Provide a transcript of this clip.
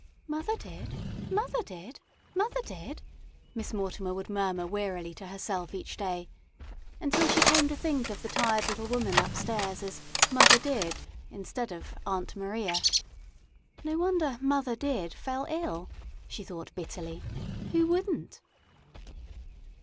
"Mother did" "mother did" "mother did," Miss Mortimer would murmur wearily to herself each day, until she came to think of the tired little woman upstairs as "Mother Did" instead of "Aunt Maria." "No wonder 'Mother Did' fell ill," she thought bitterly. "Who wouldn't!"